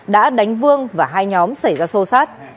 đã đánh vương và hai nhóm xảy ra sâu sát